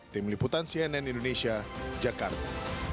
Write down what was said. tim liputan cnn indonesia jakarta